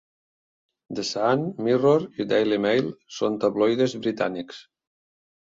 The Sun, Mirror i Daily Mail són tabloides britànics.